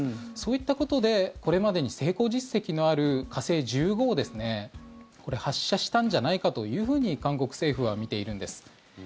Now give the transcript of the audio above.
そういったことでこれまでに成功実績のある火星１５を発射したんじゃないかというふうに韓国政府はみているんです。